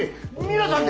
皆さんで。